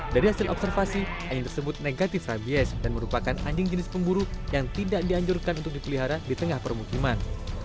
dari hasil observasi anjing tersebut negatif rabies dan merupakan anjing jenis pemburu yang tidak dianjurkan untuk dipelihara di tengah permukiman